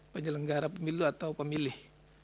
penyelenggara pemilu atau pemilih